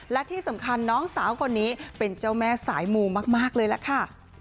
และที่สำคัญน้องสาวคนนี้เป็นเจ้าแม่สายมูมากเลยล่ะค่ะ